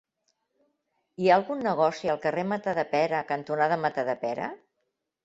Hi ha algun negoci al carrer Matadepera cantonada Matadepera?